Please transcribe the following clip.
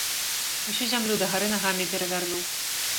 Усю зямлю дагары нагамі перавярну!